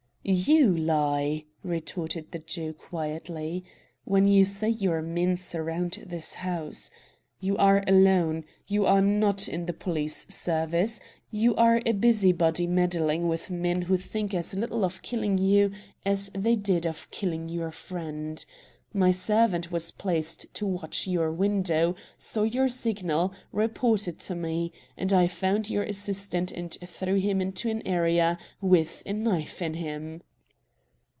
"YOU lie," retorted the Jew quietly, "when you say your men surround this house. You are alone. You are NOT in the police service, you are a busybody meddling with men who think as little of killing you as they did of killing your friend. My servant was placed to watch your window, saw your signal, reported to me. And I found your assistant and threw him into an area, with a knife in him!"